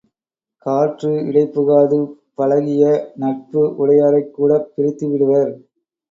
காற்று இடைப்புகாது பழகிய நட்பு உடையாரைக் கூடப் பிரித்து விடுவர்.